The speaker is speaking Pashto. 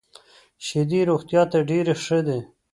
شیدې روغتیا ته ډېري ښه دي .